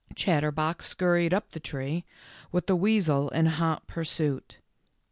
Chatterbox scurried up the tree, with the weasel in hot pursuit.